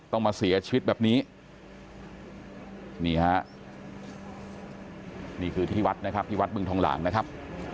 ต้องมาเสียชีวิตแบบนี้นี่ฮะนี่คือที่วัดนะครับที่วัดบึงทองหลางนะครับ